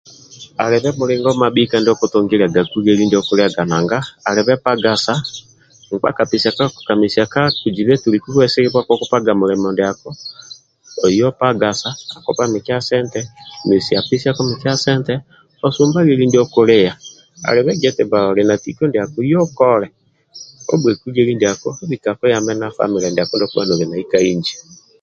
Alibe mulingo mabhika ndio okutungiluagaku lileli ndio okulia alibe pagasa nkap kamesia kakuziba eti oliku bwesigibwa akukupesiaga mulimo ndiako oya opagasa akupa mikia sente mesia pako mikia sente oya osumba lieli ndiako okilia alibe gia eti bba oli na tiko ndiko oyebokle obhweku lieli ndiako abike akuyambe na famile ndiako ndio okubha noli nai ka inji